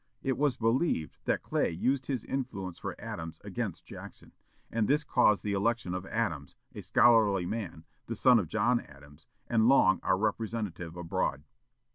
It was believed that Clay used his influence for Adams against Jackson, and this caused the election of Adams, a scholarly man, the son of John Adams, and long our representative abroad.